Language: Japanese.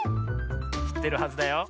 しってるはずだよ。